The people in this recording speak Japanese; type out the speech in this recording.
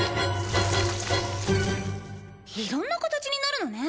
いろんな形になるのね。